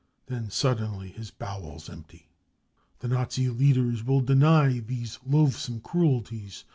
Then suddenly his bowels empty. The Nazi leaders will deny these loathsome cruelties.